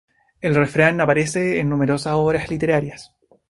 El refrán aparece en numerosas obras literarias.